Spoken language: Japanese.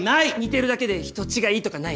似てるだけで人違いとかない？